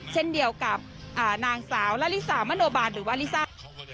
เช่นเดียวกับนางสาวละลิสามโนบาลหรือว่าลิซ่า